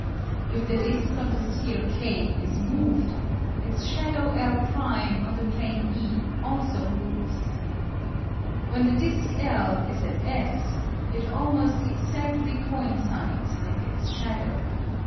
If the disc on the sphere K is moved, its shadow L' on the plane E also moves. When the disc L is at S, it almost exactly coincides with its shadow.